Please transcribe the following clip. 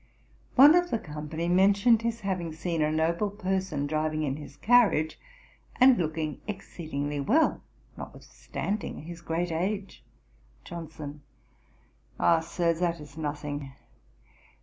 One of the company mentioned his having seen a noble person driving in his carriage, and looking exceedingly well, notwithstanding his great age. JOHNSON. 'Ah, Sir; that is nothing.